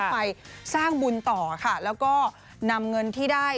ไปสร้างบุญต่อค่ะแล้วก็นำเงินที่ได้